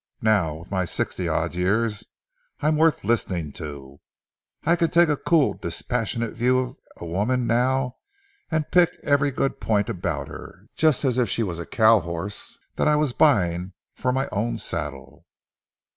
Now, with my sixty odd years, I'm worth listening to. I can take a cool, dispassionate view of a woman now, and pick every good point about her, just as if she was a cow horse that I was buying for my own saddle."